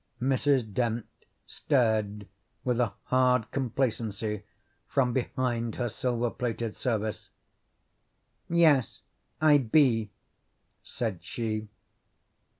Mrs. Dent stared with a hard complacency from behind her silver plated service. "Yes, I be," said she.